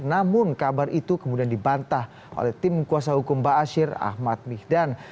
namun kabar itu kemudian dibantah oleh tim kuasa hukum ba'asyir ahmad mihdan